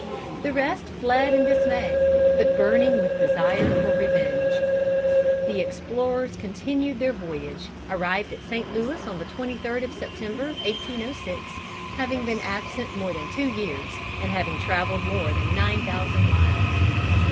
The rest fled in dismay, but burning with the desire for revenge. The explorers continuing their voyage arrived at Saint Louis on the 23rd of September, 1806, having been absent more than two years, and having traveled more than nine thousand miles.